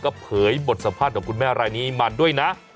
ก็เผยบทสัมภาษณ์ของคุณแม่รายนี้มาด้วยนะ